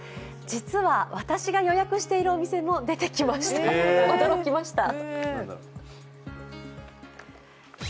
実は私が予約しているお店も出てきました、驚きました。